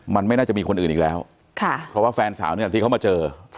มันไม่น่าจะมีคนอื่นอีกแล้วเพราะว่าแฟนสาวเนี่ยที่เขามาเจอ